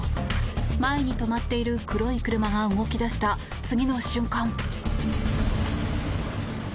前に止まっている黒い車が動き出した次の瞬間。